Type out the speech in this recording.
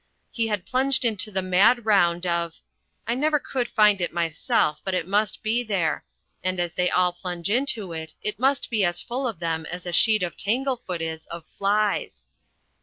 He had plunged into the mad round of I never could find it myself, but it must be there, and as they all plunge into it, it must be as full of them as a sheet of Tanglefoot is of flies.